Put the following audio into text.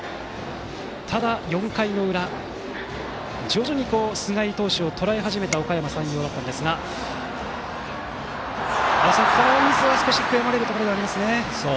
ただ４回の裏、徐々に菅井投手をとらえ始めたおかやま山陽だったんですがこのミスは少し悔やまれるところではありますね。